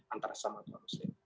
antar sesama muslim